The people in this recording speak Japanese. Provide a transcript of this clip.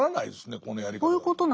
このやり方だと。